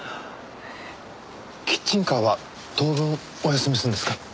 キッチンカーは当分お休みするんですか？